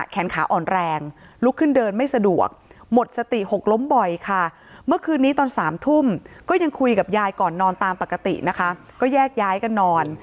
ก็แยกย้ายกันนอน